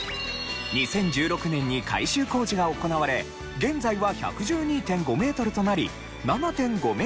２０１６年に改修工事が行われ現在は１１２．５メートルとなり７．５メートル伸びました。